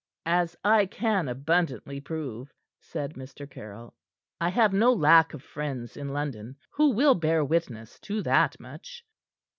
"As I can abundantly prove," said Mr. Caryll. "I have no lack of friends in London who will bear witness to that much."